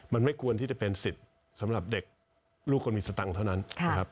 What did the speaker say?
มันไม่ควรที่จะเป็นสิทธิ์สำหรับเด็กลูกคนมีสตังค์เท่านั้นนะครับ